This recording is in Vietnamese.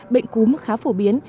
bệnh cúm khá phổ biến